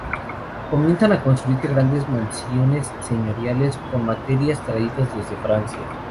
Comienzan a construirse grandes mansiones señoriales, con materiales traídos desde Francia.